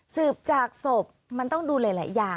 สืบจากศพมันต้องดูหลายอย่าง